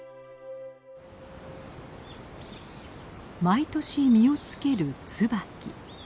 毎年実をつけるツバキ。